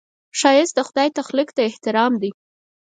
ښایست د خدای تخلیق ته احترام دی